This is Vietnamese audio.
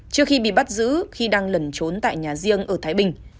trước khi bị bắt giữ khi đang lẩn trốn tại nhà riêng ở thái bình